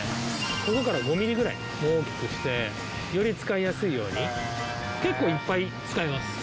ここから５ｍｍぐらい大きくしてより使いやすいように結構いっぱい使います